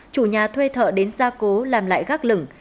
chủ nhà thuê thợ đến gia cố làm lại gác lửng